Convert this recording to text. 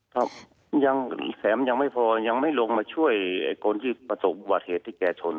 ครับยังแถมยังไม่พอยังไม่ลงมาช่วยไอ้คนที่ประสบอุบัติเหตุที่แกชน